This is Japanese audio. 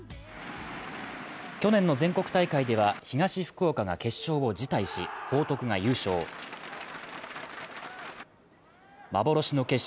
去年の全国大会では、東福岡が決勝を辞退し、報徳が優勝。